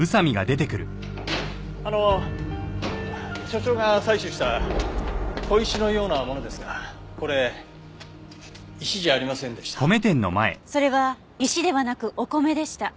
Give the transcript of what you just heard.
あの所長が採取した小石のようなものですがこれ石じゃありませんでした。それは石ではなくお米でした。